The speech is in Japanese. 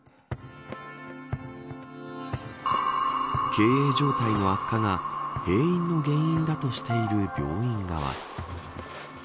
経営状態の悪化が閉院の原因だとしている病院側。